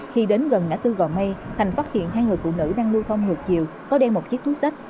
khi đến gần ngã tư gò mây thành phát hiện hai người phụ nữ đang lưu thông ngược chiều có đeo một chiếc túi sách